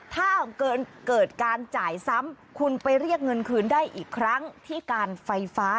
ถ้าเกิดการจ่ายซ้ำคุณไปเรียกเงินคืนได้อีกครั้งที่การไฟฟ้า